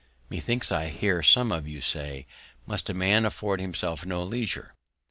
Methinks I hear some of you say, Must a Man afford himself no Leisure?